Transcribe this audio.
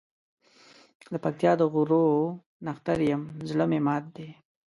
دپکتیا د غرو نښتر یم زړه مي مات دی